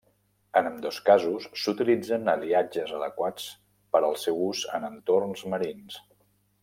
En ambdós casos s'utilitzen aliatges adequats per al seu ús en entorns marins.